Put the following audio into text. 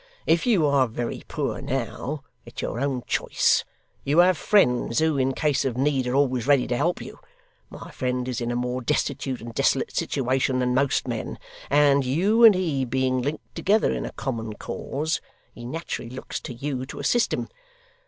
If you are very poor now, it's your own choice. You have friends who, in case of need, are always ready to help you. My friend is in a more destitute and desolate situation than most men, and, you and he being linked together in a common cause, he naturally looks to you to assist him.